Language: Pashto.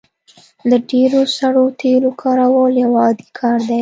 د ډیرو سړو تیلو کارول یو عادي کار دی